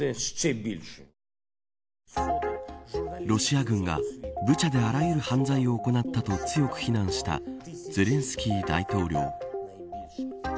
ロシア軍がブチャであらゆる犯罪を行ったと強く非難したゼレンスキー大統領。